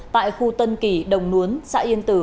tại khu tân kỳ đồng nuốn xã yên tử